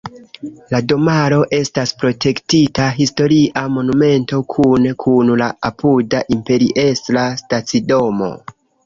La domaro estas protektita historia monumento kune kun la apuda imperiestra stacidomo.